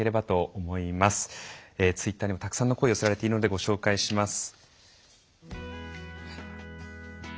ツイッターにもたくさんの声寄せられているのでご紹介します。